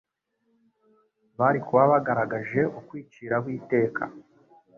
bari kuba bagaragaje ukwiciraho iteka.